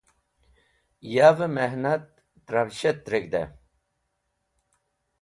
Yavẽ mehnat tẽrafshat reg̃hdẽ.